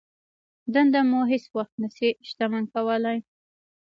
دنده مو هېڅ وخت نه شي شتمن کولای.